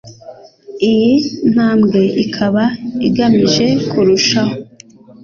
Iyi ntambwe ikaba igamije kurushaho